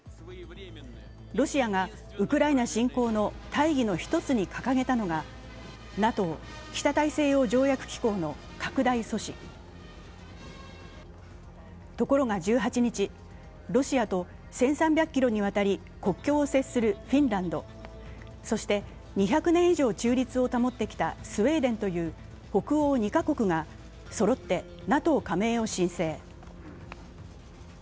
ロシアがウクライナ侵攻の大義の一つに掲げたのがＮＡＴＯ＝北大西洋条約機構の拡大阻止ところが１８日、ロシアと１３００ｋｍにわたり国境を接するフィンランド、そして２００年以上中立を保ってきたスウェーデンという北欧２カ国がそろってＮＡＴＯ加盟を申請。